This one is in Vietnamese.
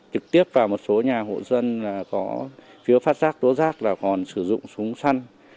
trực tiếp vào một số nhà hộ dân có phiếu phát rác tố rác là còn sử dụng súng săn